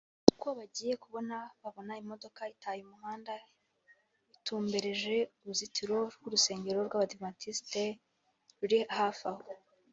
kuko bagiye kubona babona imodoka itaye umuhanda itumbereje uruzitiro rw’urusengero rw’abadivantisite ruri hafi aho